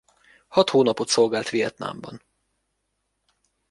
Hat hónapot szolgált Vietnámban.